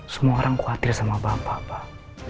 semua orang khawatir sama bapak pak